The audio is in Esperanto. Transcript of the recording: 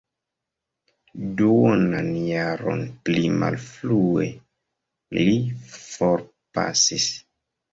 Duonan jaron pli malfrue li forpasis.